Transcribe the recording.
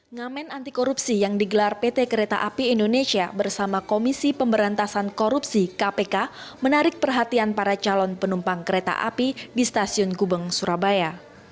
ngamen anti korupsi yang digelar pt kereta api indonesia bersama komisi pemberantasan korupsi kpk menarik perhatian para calon penumpang kereta api di stasiun gubeng surabaya